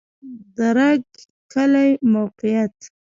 د رګ کلی موقعیت